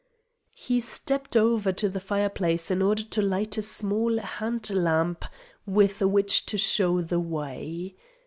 He stepped over to the fireplace in order to light a small hand lamp with which to show the way.